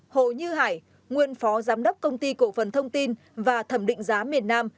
bốn hồ như hải nguyên phó giám đốc công ty cổ phần thông tin và thẩm định giá miền nam